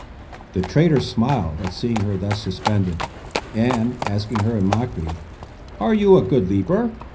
The traitor smiled at seeing her thus suspended, and, asking her in mockery, "Are you a good leaper?"